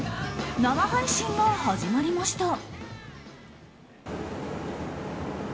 生配信が始まりました。